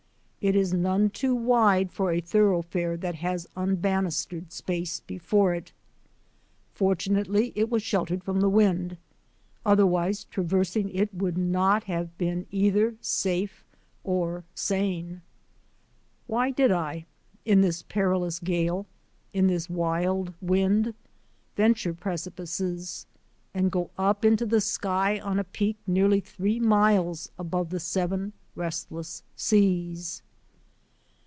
It is none too wide for a thoroughfare that has unbanistered space before it. Fortunately, it was sheltered from the wind, otherwise traversing it would not have been either safe or sane. Why did I, in this perilous gale, in this wild wind, venture precipices and go up into the sky on a peak nearly three miles above the seven restless seas